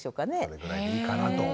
これぐらいでいいかなと。